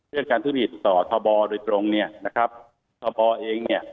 เรื่องการทุจริตต่อทบโดยตรงเนี่ยนะครับทบเองเนี่ย